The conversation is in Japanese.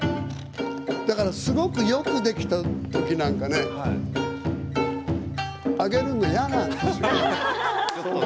だからすごくよくできた時なんかあげるの嫌なんですよ。